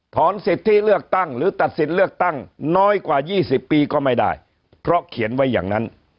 สิทธิเลือกตั้งหรือตัดสิทธิ์เลือกตั้งน้อยกว่า๒๐ปีก็ไม่ได้เพราะเขียนไว้อย่างนั้น